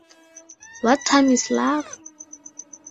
What Time Is Love?